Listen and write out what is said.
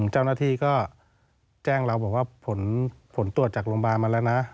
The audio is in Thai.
เจ้าหน้าที่ก็แจ้งเราทรวจจากโรงพยาบาลมาแล้วนะ